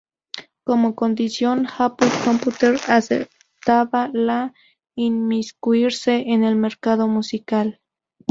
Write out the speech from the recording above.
Como condición, Apple Computer aceptaba no inmiscuirse en el mercado musical.